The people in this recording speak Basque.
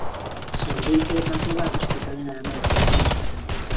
Zaurituetako bat ospitalera eraman behar izan zuten.